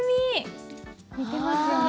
似てますよね形が。